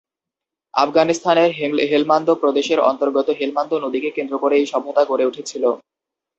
আফগানিস্তানের হেলমান্দ প্রদেশের অন্তর্গত হেলমান্দ নদীকে কেন্দ্র করে এই সভ্যতা গড়ে উঠেছিল।